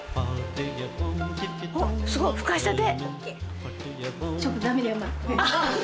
すごいふかしたて。